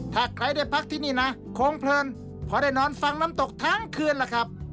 ถ้าใครได้พักที่นี่นะคงเพลินพอได้นอนฟังน้ำตกทั้งคืนล่ะครับ